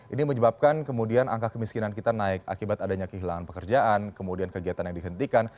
ini menyebabkan kemudian angka kemiskinan kita naik akibat adanya kehilangan pekerjaan kemudian kegiatan yang dihentikan